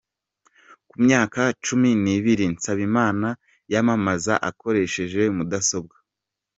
Ku myaka cumi nibiri Nsabimana yamamaza akoresheje mudasobwa